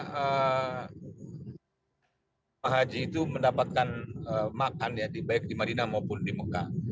jemaah haji itu mendapatkan makan ya baik di madinah maupun di mekah